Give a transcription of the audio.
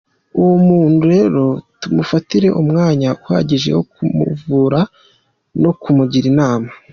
Uwo muntu rero tumufatira umwanya uhagije wo kumuvura no kumugira inama.